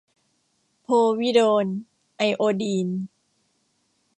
โพวิโดน ไอโอดีน